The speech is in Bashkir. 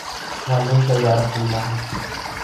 Ванныйҙы ярып ҡуймаһын!